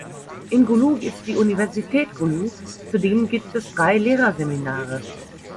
In Gulu ist die Universität Gulu, zudem gibt es drei Lehrerseminare.